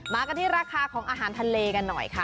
มากันที่ราคาของอาหารทะเลกันหน่อยค่ะ